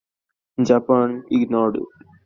Japan ignored it.